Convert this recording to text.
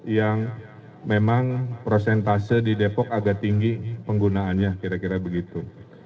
yang memang prosentase di depok agak tinggi penggunaannya kira kira begitu